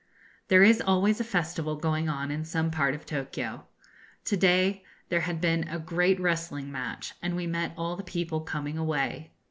There is always a festival going on in some part of Tokio. To day there had been a great wrestling match, and we met all the people coming away.